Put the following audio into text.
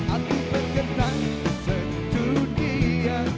aku berkenan sejudia